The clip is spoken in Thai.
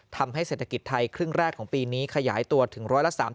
ทำให้เศรษฐกิจไทยครึ่งแรกของปีนี้ขยายตัวถึง๑๓๐